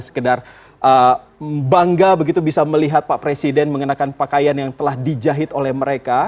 sekedar bangga begitu bisa melihat pak presiden mengenakan pakaian yang telah dijahit oleh mereka